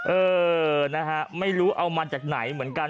เออนะฮะไม่รู้เอามาจากไหนเหมือนกัน